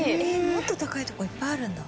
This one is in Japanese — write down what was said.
もっと高いとこいっぱいあるんだ。